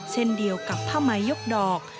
เช่นเดียวกับผ้าไหมยกดอก